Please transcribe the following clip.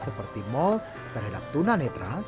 seperti mal terhadap tuna netra